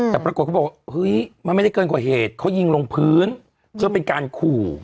แต่ปรากฏเขาบอกเฮ้ยมันไม่ได้เกินกว่าเหตุเขายิงลงพื้นเพื่อเป็นการขู่